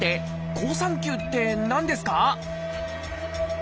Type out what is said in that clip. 「好酸球」って何ですか？